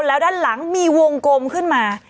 แล้วด้านหลังมีวงกลมขึ้นมา